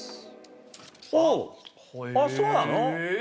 おぉあっそうなの？